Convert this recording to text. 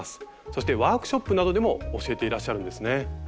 そしてワークショップなどでも教えていらっしゃるんですね。